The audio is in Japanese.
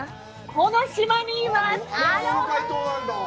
この島にいます！